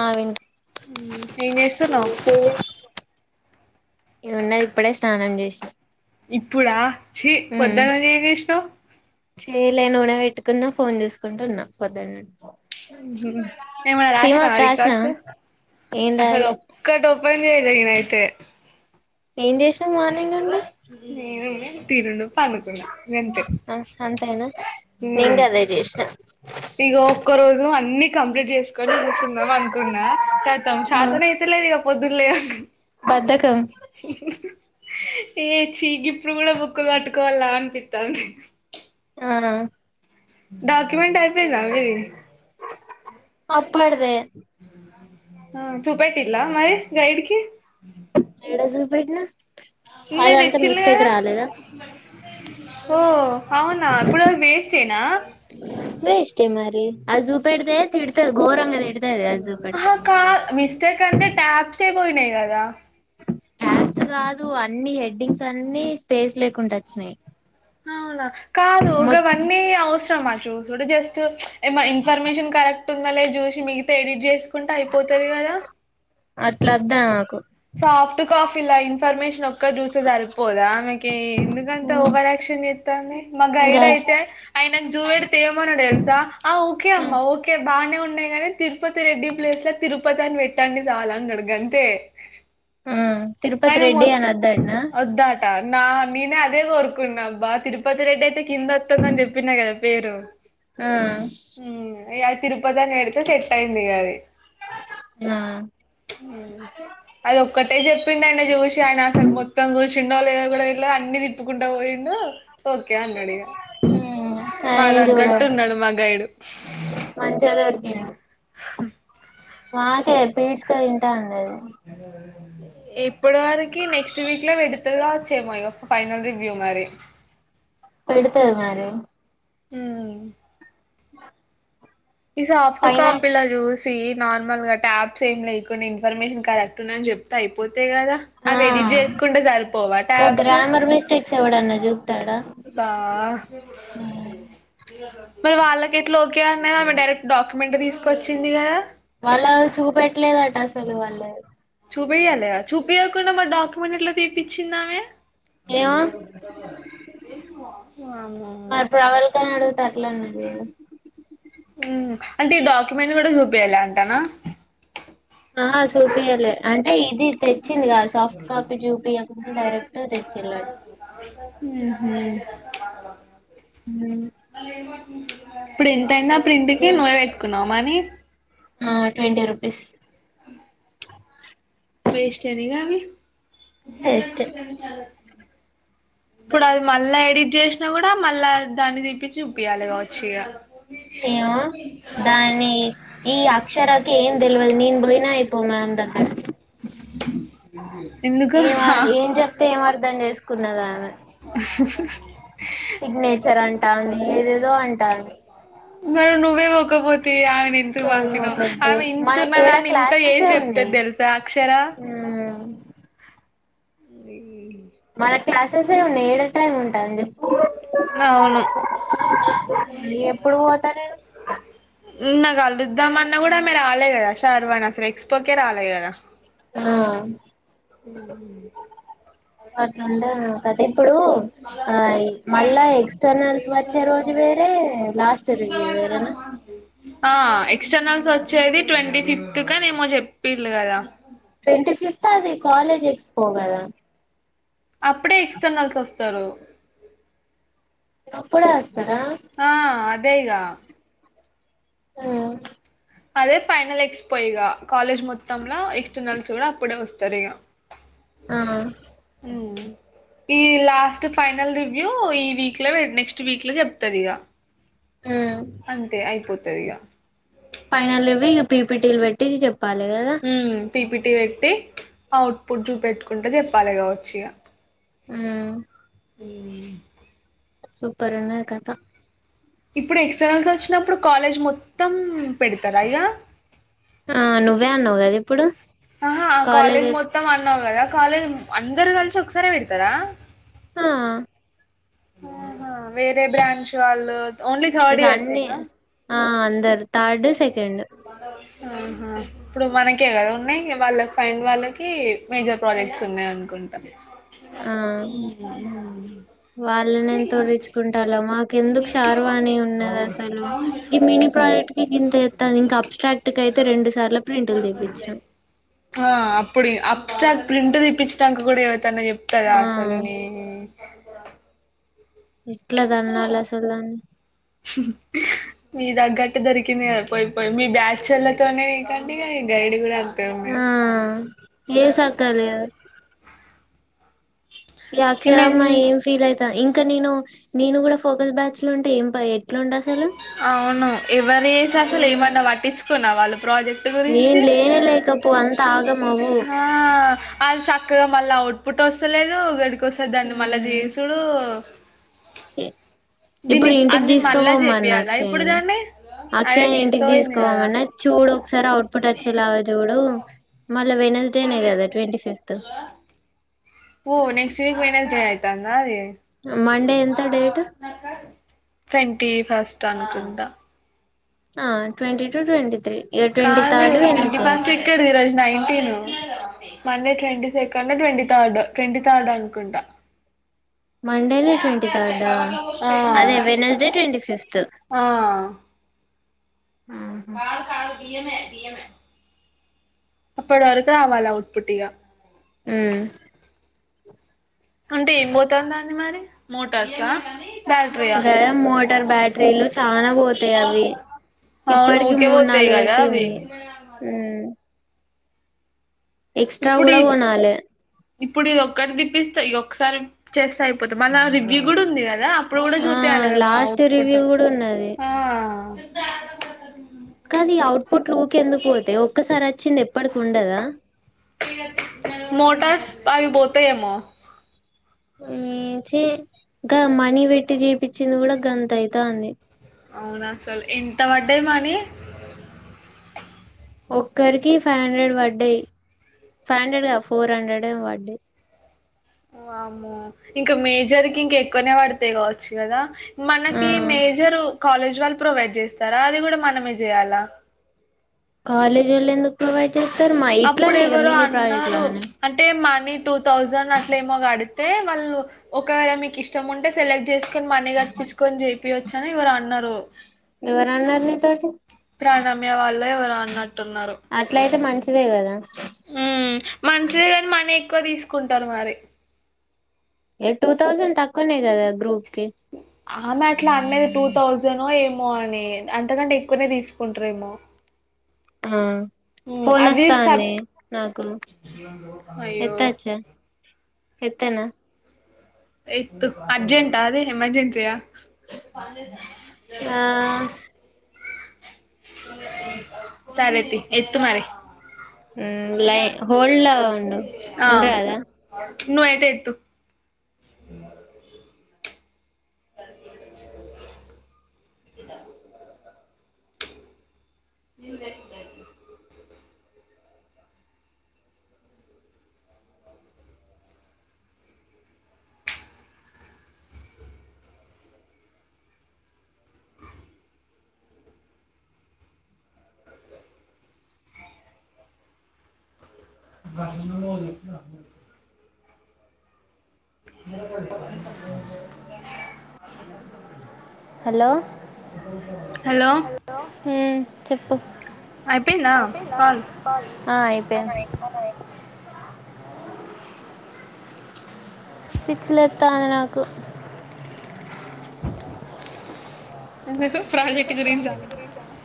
ఆ వింట ఏం చేస్తున్నావ్ [unintelligible] ఇది ఉన్నది ఇప్పుడే స్నానం చేసి ఇప్పుడా చీ ఉమ్ పొద్దుగాల ఏంచేశావు చేయలే నూనె పెట్టుకున్నా ఫోన్ చూసుకుంటూ ఉన్నా పొద్దు నుండి హమ్ ఏమన్నా రాసి నావ సీమాస్ రాసినవా రికార్డ్సు ఏం అసలు రాయలే ఒకటి ఓపెన్ చేయలేదు నేనైతే ఏం చేసినా మార్నింగ్ నుండి తినను ఆ అంతేనా నేన్ గఅదే జెసిన ఇక ఒక్క రోజు అన్ని కంప్లీట్ చేసుకొని కూర్చొందాం అనుకున్నా కానీ ఉమ్ చాతన అయితే లేదు ఇక పొద ధులే బద్దకం ఏ చీగి ఇప్పుడు కూడా బుక్కులు పట్టుకోవాల అనిపితన్ ది ఆ డా వంట అయిపోయిందా మీది అప్పటిదే ఆ చూపెటిల్ల మరి గైడ్ కి ఏడ జూపేట్ నా నేను ఇచ్చిన లే ఓ అవునా ఇప్పుడు వేస్టేనా ఆజు పెడితే తిడతాది గోరంగా తిడుతది అది జూపెడితే ఇంతకంటే క్యాప్సె పోయినాయి కదా క్యాప్స్ కాదు అన్ని హెడ్డింగ్స్ అన్ని స్పేస్ లేకుండచ్చన్నాయి అవునా కాదు గవన్ని అవసరమా చూసుడు జస్ట్ ఇన్ఫర్మేషన్ కరెక్ట్ ఉంద లే చూసి మిగితా ఎడిట్ చేసు ఉంటే అయిపోతది కదా అట్లా వద్దు మాకు సాఫ్ట్ కాపీల ఇన్ఫర్మేషన్ ఒక్క చూస సరిపోదా మీకు ఎందుకంత ఓవర్ ఆక్షన్ చేస్తాంది మా గైడ్ గజ్ అయితే ఆయనకు జూడి తయమని తెలు రా ఆ ఓకే అమ్మా ఓకే బాగానే ఉన్నాయి గాని తిరుపతి రెడ్డి ప్లేస్ తిరుపతి అని పెట్టండి చాలన్నాడు గంతే ఆ తిరుపతి రెడ్డి అని వద్దంటున్నా ఆ నేను అదే కోరుకున్నాబ్బా తిరుపతి రెడ్డి అయితే కింద వస్తుందని చెప్పిన కదా పేరు ఆ హమ్ యా తిరుపతి అని పెడితే సెట్ అయింది ఇగ అది ఆ అది ఒక్కటే చెప్పిండన్న చూసి ఆయన అసలు మొత్తం చూసి చిషన్నోళదో కూడా ఇలా అన్ని తిప్పుకుంటా పోయిను ఓకే అన్నాడు ఇక మా తనేం తగ్గట్టు చూడడు ఉన్నాడు మా గైడు [inaudible] మంచిగా దొరికిండు [unintelligible] మాకే పీల్చక తింట ఉంది ఏ [unintelligible] ఏమ్ ఇప్పటి వరకి నెక్స్ట్ వీక్లో విడుతలుగా వచ్చేమోయ ఫైనల్ రివ్యూ మరి పెడుతది మరీ ఊ ఆ ఈ సాఫ్టు కాపిల జూస్ నార్మల్ గా ట్యాప్స్ ఏమి లేకుండా ఇన్ఫర్మేషన్ కరెక్ట్ ఉన్నా అని చెప్తే అయిపోత్ అంతే కదా ఆ అవి ఎడిట్ చేసుకుంటే సరిపోవా ట్యాప్స్ సవడ నజు తా మరి వాళ్ళకెట్ల ఓకె అన్నాయి ఆమె డైరెక్ట్ డాక్యుమెంట్ తీసుకొచ్చింది కదా. వాళ్ళ చూపెట్ ట్లేదట అసలు వాళ్ళు చూపయాలి చూపయకుండా మా డాక్యుమెంట్ ఎట్లా తీప్పించిందామే ఏమో అంటే ఏ మరిప్రవళిక అడుగు తర్లేన్నది లేదు ఉ అంటే ఈ డాక్యుమెంట్ కూడ యు బేలా అంటాన ఆ సూపియలే అంటే ఇది తెచ్చింది కద సాఫ్ట్ కాపీ జూపియ డైరెక్ట్ తెచ్చిళ్ళ హ్మ్ హు హు ఇప్పుడేన్ ఎంతయిందా ప్రింట్ కి నువ్వే పెట్టుకున్నావు మనీ ఆ ట్వంటీ రుపీస్ వేస్టఎనిగావి వేస్ట్ బ చ ఇప్పుడు అది మళ్ళా ఎడిట్ చేసినా కూడా మళ్ళా దాన్ని తిప్పించి చుపియాలి కావచ్చు ఇగ ఏమో దాని ఈ అక్షరకి ఏం తెల్వదు నేను పోయినా అయిపో మ్యామ్ దగ్గరకి. ఎందుకు ఆ ఏమ ఏం చెప్తే ఏం అర్ధం చేసుకున్నద ఆమె సిగ్నేచర్ అంటాంది ఏదేదో అంటాది మరి నువ్వే పోకపో తీ ఆమెను ఇంతకు సోది బంకినావ్ మొకద్ది ఆమె మనకేడ ఇంతున్నదాన్ని ఇంత క్లాసెసే చేసి చెప్తది ఉన్నాయి తెలుసా అక్షర ఉం బీ మన క్లాసెస్ ఏ ఉన్నాయి ఏడ టైమ్ ఉంటుంది అవును ఎప్పుడు పోతా నేను నిన్న కలుుద్దామన్న గూడా ఆమె రాలే కదా షర్వనాస్రెక్స్ ప్పకే రాలే కద ఆ అట్లంటే [unintelligible] కదిప్పుడు ఆ ఇ మళ్ళా ఎక్స్టర్నల్స్ వచ్చే రోజు వేరే లాస్ట్ రివ్యూ వేరేనా ఆ ఎక్స్టర్నల్స్ వచ్చేది ట్వంటీ ఫిఫ్త్ కనేమో చెప్పిల్లు కదా ట్వెంటి ఫిఫ్త్ అది కాలేజెక్స్పో కదా అప్పుడే ఎక్స్టర్నల్సొస్తరు కప్పుడాస్ ఆ అదే గా ఉమ్ అదే ఫైనల్ ఎక్స్పో ఇగ కాలేజ్ మొత్తంల ఎక్స్టర్నల్స్ కూడా అప్పుడే వస్తరిగ ఆహ ఉమ్ ఈ లాస్ట్ ఫైనల్ రివ్యూ ఈ వీక్ పె లో నెక్స్ట్ వీక్ లో చెప్తదిగ ఉమ్ అంతే అయిపోత్ తదిగ ఫైనల్ రివ్యూ లు పీపీటీలు పెట్టి చెప్ పాలే గద ఉమ్ పీపిటీ పెట్టి అవుట్పుట్ చూపెట్టుకుంట చెప్పాలిగ వచ్చిగ ఉమ్ ఉమ్ సూపరున్నది కథ ఇప్పుడు ఎక్స్టర్నల్సొచ్చినప్పుడు కాలేజ్ మొత్తం పెడతరా ఇగ ఆ నువ్వే అన్నవ్ కదిప్పుడు ఆహా కాలేజ్ మొత్తం అన్నావ్ కదా కాలేజ్ అందరు కలి త్ ఒకసారే పెడతారా ఆ ఆహా వేరే బ్రాంచ్ వాళ్ళు ఓన్లీ థర్డీయర్సేగా దర్ థార్డ్ సెకెండ్ ఆహా ఇప్పుడు మనకే కద ఉన్నాయ్ వాళ్ళ ఫైన్ వాళ్ళకి మేజర్ ప్రాజెక్ట్స్ ఉన్నాయనుకుంటా. ఆ వాల్లనెంతూరిచ్చుకుంటాలో మాకు ఎందుకు శార్వాణి ఉన్నేదసలు ఈ మిని ప్రాజెక్ట్ కి ఇంతతెత్తది ఇంక అబ్స్ట్రాక్ట్ కైతే రెండు సార్ల ప్రింటుల్ తీపిచ్చినాం స్ట్రాక్ ప్రింటు తీపించ్చినంక కూడా ఎవ తన్న చెప్తదా ఆ అసలు నీ ఇట్ల తన్నాలసలు దాన్ని మీ తగ్గట్టు దొరికిందిగ పోయిపోయి మీ బ్యాచొల్లతోనే ఇకండి [unintelligible] గైడ్ కూడా ఆ ఉన్నది ఏం సక్కగ లేదు ఈ అక్షరమ్మ నేను ఏం ఫీల్ అయితా ఇంకా ఇంక నెను నేను కూడ ఫోకస్ బ్యాచ్ లో ఉంటే ఏం ఎట్లాండ అసలు అవును ఎవరేసి అసలు ఏమన్నా పట్టించుకున్నా వాళ్ళు ప్రాజెక్ట్ ఏం గురించి లేనే లేకపో అంత ఆగం అవ్వు హా ఆల్ సక్కగా మళ్ళా అవుట్ పుట్ వస్తలేదు గడి ఇంకోసారి దాన్ని మళ్ళా చేసుడు ఇచ్చె దీన్ని ఇప్పుడు ఇంటికి అన్ని మళ్ళా తీసుకొపోమన్న చేపియాలా ఇప్పుడు అక్షయని దాన్ని అదే అక్షయని ఇంటికి తీసుకుపోయింది కదా తీసుకోవమన్న చూడు ఒకసారి అవుట్పుట్ వచ్చేలాగ చూడు మ ఇల్లా వెనస్ డేనే కదా ట్వంటీ ఫిఫ్త్ ఓ నెక్స్ట్ వీక్ వెనస్ డే అయితందా యే ఉమ్మట్ ట్వంటి ఫస్ట్ అనుకుంది ద ఆ ట్వంటి టు ట్వంటి త్రీ ఇక ట్వంటీ కాదు థర్డ్ ట్వంటీ వెనస్డే ఫస్ట్ అయితది ఎక్కడిది ఈరోజు nineteen Monday twenty second twenty third twenty third అనుకుంటా మండెనె ట్వంటీ థర్డ ఆ అదే వెనస్డే ట్వంటి ఫిఫ్త్ ఆ ఉమ్ కాదు కాదు బియమె బియమె అప్పటి వరకు రావాలా అఔట్పుట్గా ఉమ్ అంటె ఏం పోతందంది మరి మోటార్సా బ్యాటరీయా ఇంకె మోటార్ బ్యాట్రీలు చాన పోతాయి అవి అవును ఇప్పటికి ఊకే మూడు పోతాయి నాలుగు కదా అవి పెట్టింది ఉమ్ ఎక్స్ట్రా కూడ ఇప్పుడు కొనా లె ఇప్పుడు ఇది ఒక్కటి దిప్పిసై ఇది ఒకసారి చేసై అయిపోతుది మర్ల రివ్యూ కూడ ఉంది కదా ఇప్పుడు కూడా ఆ చూపియాలె కద యెమో లాస్ట్ ఔట్పుట్ రివ్యూ కూడా ఉన్నది ఆ కాది ఇ అవుట్ పుట్ లు ఇంకెందుకు ఓయ్ ఈ ఒక్కసారి వచ్చింది ఎప్పడికి ఉండదా మోటార్స్ అవి పోతాయి ఏమో ఛీ ఇక మనీి పెట్టి చీపించింది కూడా గంత అయితాంది అవునసల్ ఎంత పడ్డాయి మని ఒక్కరికి ఫైవ్ హండ్రెడ్ పడ్డాయి ఫైవ్ హండ్రెడ్గా ఫోర్ హండ్రెడ్ ఏ పడ్డా వామో ఇంకా మేజర్ కి ఇంక ఎక్కువనే పడతాయి కావచ్చు కదా. ఆ మనకి మేజర్ కాలేజ్ వల్ల ప్రొవైడ్ చేస్తారా, అది కూడా మనమే చేయాలా కాాలేజ్ వొళ్ళు ఎందుకు పృవై అప్పుడు ఎవరు అన్నారు. లాగానే అంటే మనీ టూ థౌజండ్ అట్ల ఏమో గడితే వాళ్ళు ఒకవేళ మీకు ఇష్టం ఉంటే సెలెక్ట్ చే. మనేగాట్ పిచ్కన జేపి చనా ఎవరు అన్నారు. ఎవరన్నారు నీతోటి ప్రాణమ్య వాళ్ళ ఎవరు అన్నట్టున్నారు. ఇదే గద ఉ మంతంత్రిదని మని ఎక్కువ తీసుకుంటారు మరి ఏ టూ థౌసండ్ తక్కువనే కదా గ్రూప్ కి ఆమె అట్లా అన్నది. టూ థౌసండ్ ఏం ఏమో అని అంతకంటే ఎక్కువనే తీసుకుంటారేమో. ఆ ఫోన్ వస్తా అంది. సప్ నాకు అయ్యో! ఎత్తచ్చా. ఎత్తనా ఎత్తు అర్జెంటా అదే ఎమర్జెన్సయా ప ఆ [unintelligible] సరే అయితే ఎత్తు మరి లై హోల్ ఉండు ఉండరా అదా. ను ఎతే ఎూ అ [unintelligible] నింద ఎ భష స్త మ మా [unintelligible] హలో హలో మ్మ్ చెప్పు అయిపోయిందా కాల్ అయిపోయింది. పిచ్చి లేతాంది నాకు ప్రాజెక్ట్ గ్రీన్ చాల త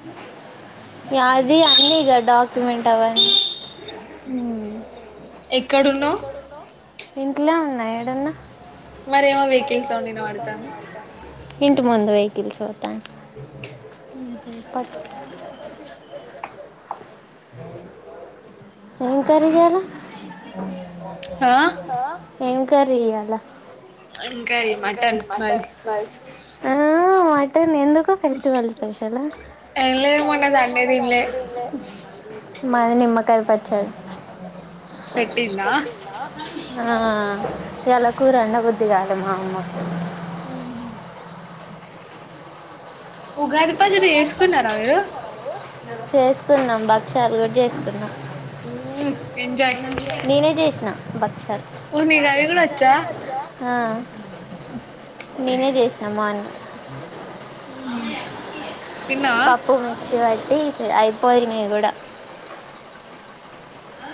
యది అన్నీగ డాక్యుమెంట్ అవ్వ ఉ ఎక్కడున్నావ్ ఇ ఇంట్లో ఉన్నా. ఎడున్నా మరేమో మరి వెహికల్ సౌండ్ వినబడుతుంది ఇంటి ముందు వయి కిల్స్ ఆరో టైమ్ హుహ్మ్ ఏం కర్రీ చేయలా, ఆ? ఏం కర్రీ చేయాల ఇంకా ఈ ఎమ్ కర్రీ మరి మటన్ మాది అ ఎందుకో ఫెస్టివల్ స్పెషలా, ఏం లేదు మొన్న సండే తినలే మాది నిమ్మకాయలు పచ్చడి, పెట్టిందా ఆ ఇయలా కూరండ బుద్ది గాల్ మామ్మకు ఉగాది పచ్చడి జేసుకున్నారా, మీరు చేసుకున్నాం. భక్ష్యాలు కూడ్ చేసుకున్నాం. ఎంజాయ్ నేనే చేసిన భక్ష్యాల్ ఓ నీకు అది కూడా వచ్చా నేనె చేసినామా అని [inaudible] హ్మ్ పప్పు ఉ ఉరగాయ్ స్వీట్స్ అయిపోయినయి, కూడా ఆ